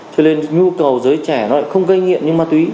cho nên nhu cầu giới trẻ nó lại không gây nghiện nhưng ma túy